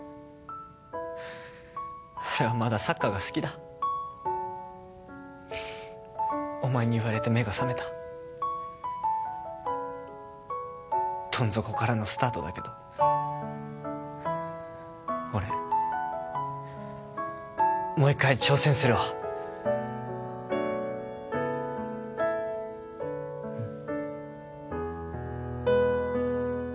俺はまだサッカーが好きだお前に言われて目が覚めたどん底からのスタートだけど俺もう一回挑戦するわうん